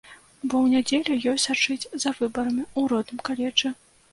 Бо ў нядзелю ёй сачыць за выбарамі ў родным каледжы.